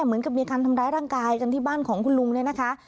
เหมือนกับมีการทำร้ายร่างกายกันที่บ้านของคุณลุงเนี่ยนะคะ